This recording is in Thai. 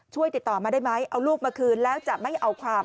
ติดต่อมาได้ไหมเอาลูกมาคืนแล้วจะไม่เอาความ